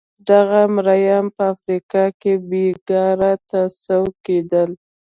دغه مریان په افریقا کې بېګار ته سوق کېدل.